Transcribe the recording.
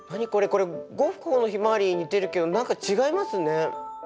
これゴッホの「ひまわり」に似てるけど何か違いますね。